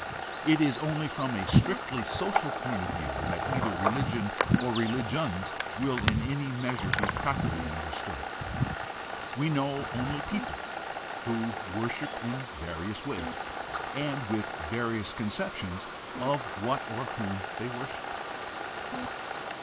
It is only from a strictly social point of view that either religion or religions will in any measure be properly understood. We know only people who worship in various ways and with various conceptions of what or whom they worship.